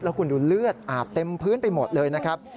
คุณดูเลือดอาบเต็มพื้นไปหมดเลยนะครับ